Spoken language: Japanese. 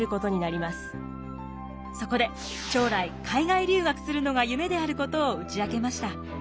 そこで将来海外留学するのが夢であることを打ち明けました。